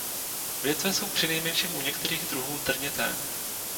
Větve jsou přinejmenším u některých druhů trnité.